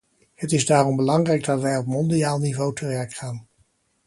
Het is daarom belangrijk dat wij op mondiaal niveau te werk gaan.